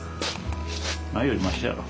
ないよりましやろ。